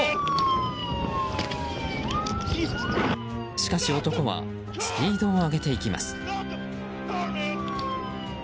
しかし、男はスピードを上げていきます。